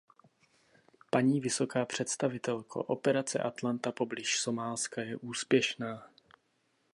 Paní vysoká představitelko, operace Atlanta poblíž Somálska je úspěšná.